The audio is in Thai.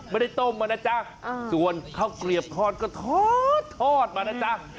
ไม่ได้ต้มมานะจ๊ะส่วนข้าวเกลียบทอดก็ทอดมานะจ๊ะ